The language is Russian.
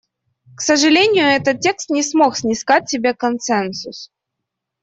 К сожалению, этот текст не смог снискать себе консенсус.